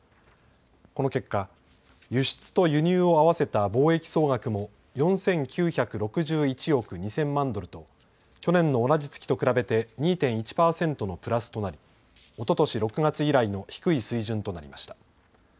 この結果、輸出と輸入を合わせた貿易総額も４９６１億２０００万ドルと去年の同じ月と比べて２．１％のプラスとなりおととし６月以来の低い水準となりました。